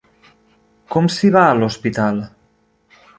Com s'hi va, a l'hospital?